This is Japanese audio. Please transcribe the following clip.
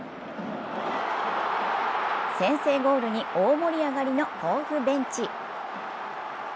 先制ゴールに大盛り上がりの甲府ベンチ。